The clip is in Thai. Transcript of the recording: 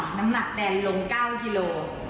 น้ำหนักแดนลง๙กิโล